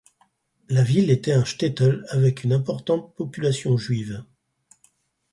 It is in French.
La ville était un shtetl avec une importante population juive.